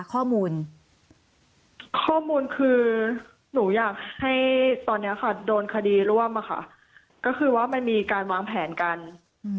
ข้อมูลข้อมูลคือหนูอยากให้ตอนเนี้ยค่ะโดนคดีร่วมอะค่ะก็คือว่ามันมีการวางแผนกันอืม